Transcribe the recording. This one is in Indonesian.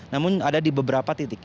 namun ada di beberapa titik